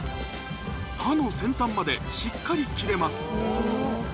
刃の先端までしっかり切れます